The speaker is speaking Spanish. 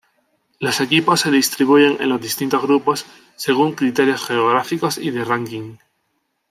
Los equipos se distribuyen en los distintos grupos según criterios geográficos y de ranking.